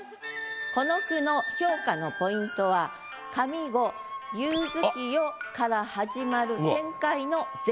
この句の評価のポイントは上五「夕月夜」から始まる展開の是非です。